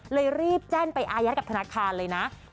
รีบแจ้งไปอายัดกับธนาคารเลยนะ